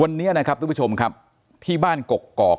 วันนี้นะครับทุกผู้ชมครับที่บ้านกกอก